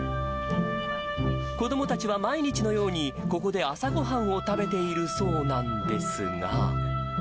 子どもたちは毎日のように、ここで朝ごはんを食べているそうなんですが。